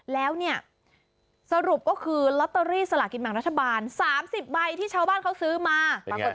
แล้วเนี่ยสรุปก็คือลอตเตอรี่สลากินแบ่งรัฐบาล๓๐ใบที่ชาวบ้านเขาซื้อมา